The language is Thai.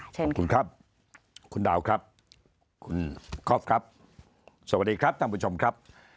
เชิญค่ะคุณฮะคุณดาวคุณคอปครับสวัสดีครับท่านผู้ชมครับ